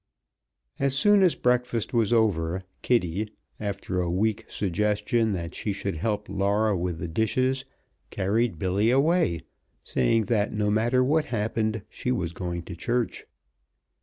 As soon as breakfast was over, Kitty, after a weak suggestion that she should help Laura with the dishes, carried Billy away, saying that no matter what happened she was going to church.